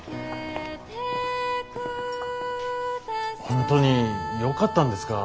本当によかったんですか？